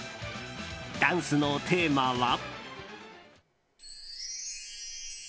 ダンスのテーマは。